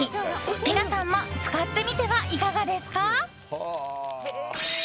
皆さんも使ってみてはいかがですか？